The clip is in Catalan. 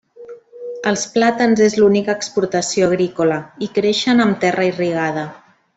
Els plàtans és l'única exportació agrícola, i creixen amb terra irrigada.